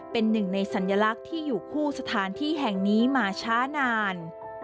เป็นหนึ่งในสัญลักษณ์ที่อยู่คู่สถานที่แห่งนี้มาช้านาน